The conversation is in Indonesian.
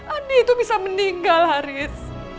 andi itu bisa meninggal haris